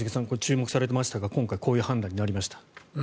これ注目されてましたが今回こういう判断になりました。